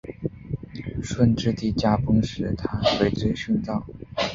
顺治帝驾崩时她随之殉葬。